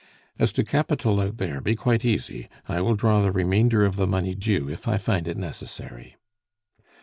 "As to capital out there, be quite easy. I will draw the remainder of the money due if I find it necessary."